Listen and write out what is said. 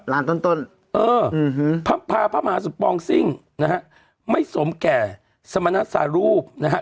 ล้านตนตนเอออืมฮึพาพระมหาศักดิ์ปองซิ่งนะฮะไม่สมแก่สมนัสรูปนะฮะ